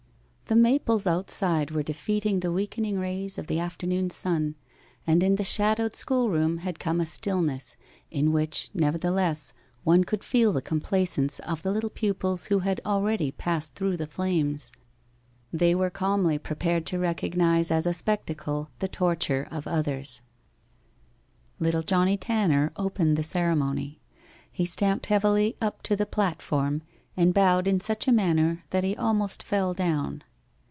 The maples outside were defeating the weakening rays of the afternoon sun, and in the shadowed school room had come a stillness, in which, nevertheless, one could feel the complacence of the little pupils who had already passed through the flames. They were calmly prepared to recognize as a spectacle the torture of others. Little Johnnie Tanner opened the ceremony. He stamped heavily up to the platform, and bowed in such a manner that he almost fell down.